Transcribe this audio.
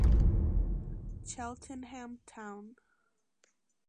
Cheltenham Town